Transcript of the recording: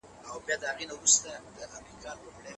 خاوند ته د خوښۍ سبب اختيارول ولي پکار دي؟